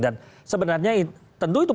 dan sebenarnya tentu itu